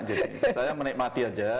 jadi saya menikmati aja